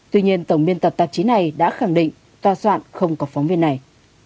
tuy nhiên tổng biên tập tạp chí này đã khẳng định tòa soạn không có phóng viên này